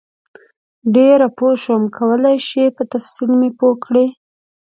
ډېر پوه شم کولای شئ په تفصیل مې پوه کړئ؟